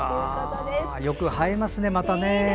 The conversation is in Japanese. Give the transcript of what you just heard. よく映えますね、また。